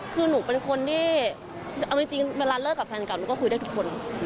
คือหนูเป็นคนที่เอาจริงเวลาเลิกกับแฟนเก่าหนูก็คุยได้ทุกคน